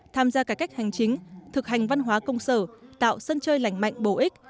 tham gia cải cách hành chính thực hành văn hóa công sở tạo sân chơi lành mạnh bổ ích